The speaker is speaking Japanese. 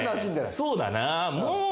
そうだな。